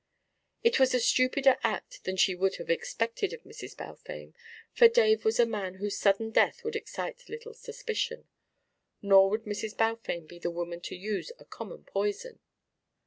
It was a stupider act than she would have expected of Mrs. Balfame, for Dave was a man whose sudden death would excite little suspicion, nor would Mrs. Balfame be the woman to use a common poison.